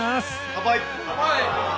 ・乾杯！